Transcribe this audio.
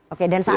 oke dan saat itu